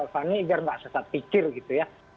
fani biar nggak sesat pikir gitu ya